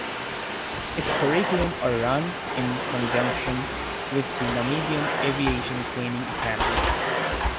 Its curriculum are run in conjunction with the Namibian Aviation Training Academy.